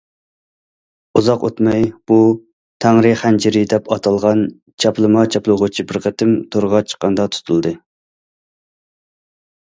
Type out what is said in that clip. ئۇزاق ئۆتمەي بۇ« تەڭرى خەنجىرى» دەپ ئاتالغان چاپلىما چاپلىغۇچى بىر قېتىم تورغا چىققاندا تۇتۇلدى.